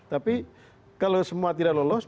tapi kalau semua tidak lolos